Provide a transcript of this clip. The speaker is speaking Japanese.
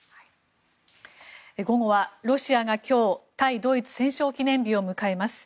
午後は、ロシアが今日対ドイツ戦勝記念日を迎えます。